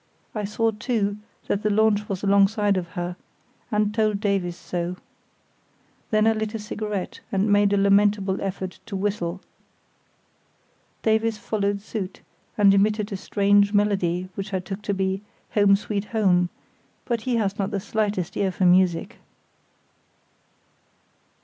I saw, too, that the launch was alongside of her, and told Davies so. Then I lit a cigarette, and made a lamentable effort to whistle. Davies followed suit, and emitted a strange melody which I took to be "Home, Sweet Home," but he has not the slightest ear for music.